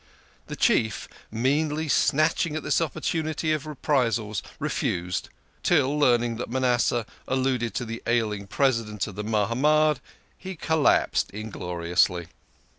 The Chief, meanly snatching at this op portunity of reprisals, refused, till, learning that Manasseh alluded to the ailing President of the Mahamad, he collapsed ingloriously.